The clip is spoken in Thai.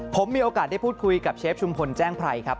ผมมีโอกาสได้พูดคุยกับเชฟชุมพลแจ้งไพรครับ